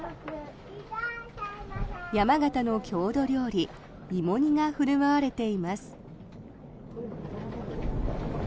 山形の郷土料理、芋煮が振る舞われています。